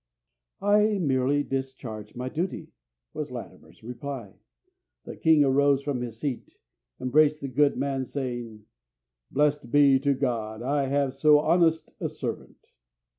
"I merely discharged my duty," was Latimer's reply. The king arose from his seat, embraced the good man, saying, "Blessed be God I have so honest a servant."